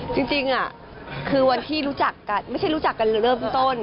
จริงคือวันที่รู้จักกันไม่ใช่รู้จักกันเริ่มต้น